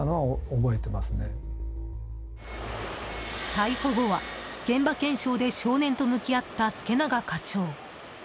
逮捕後は、現場検証で少年と向き合った助永課長。